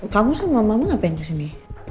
kamu sama mama ngapain di sini